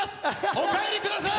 お帰りください。